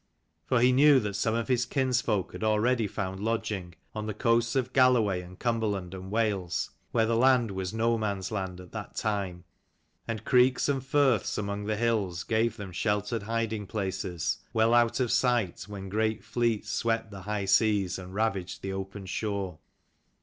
For he knew that some of his kinsfolk had already found lodging on the coasts of Galloway and Cumberland and Wales, where the land was no man's land at that time ; and creeks and firths among the hills gave them sheltered hiding places, well out of sight when great fleets swept the high seas and ravaged the open shore.